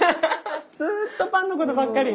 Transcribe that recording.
ずっとパンのことばっかり。